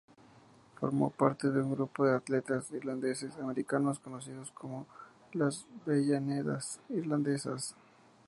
Formó parte de un grupo de atletas irlandeses-americanos conocidos como las "Ballenas irlandesas".